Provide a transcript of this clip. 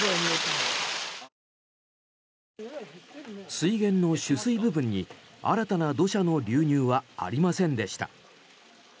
水源の取水部分に新たな土砂の流入はありませんでした。